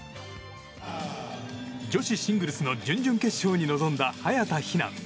女子シングルスの準々決勝に臨んだ早田ひな。